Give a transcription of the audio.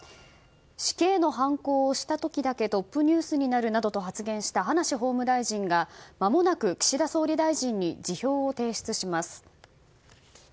死刑のはんこを押した時だけトップニュースになるなどと発言した、葉梨法務大臣がまもなく岸田総理大臣に辞表を提出します。